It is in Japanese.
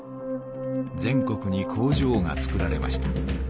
全国に工場がつくられました。